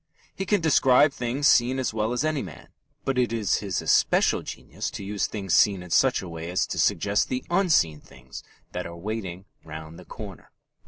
He can describe things seen as well as any man, but it is his especial genius to use things seen in such a way as to suggest the unseen things that are waiting round the corner.